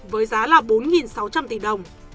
với giá là bốn sáu trăm linh tỷ đồng